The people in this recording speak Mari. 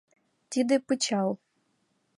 — Тиде пычал.